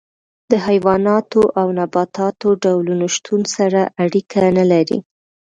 د حیواناتو او نباتاتو ډولونو شتون سره اړیکه نه لري.